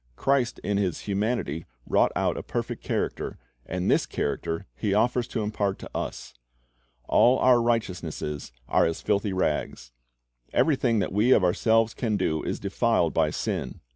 Christ in His humanity wrought out a perfect character, and this character He offers to impart to us. "All our righteousnesses arc as filthy rags."^ Everything that we of ourselves can do is defiled by sin.